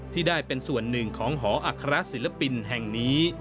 ที่ได้เป็นส่วนหนึ่งของหออัครศิลปินแห่งนี้